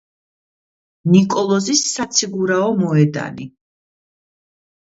ნიკოლოზის საციგურაო მოედანი.